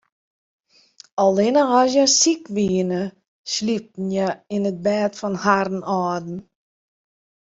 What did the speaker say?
Allinnich as hja siik wiene, sliepten hja yn it bêd fan harren âlden.